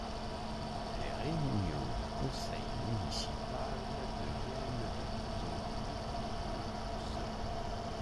Les réunions du conseil municipal deviennent de plus en plus houleuses.